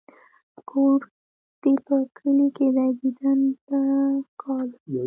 ـ کور دې په کلي کې دى ديدن د په کالو.